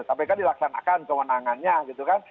kpk dilaksanakan kewenangannya gitu kan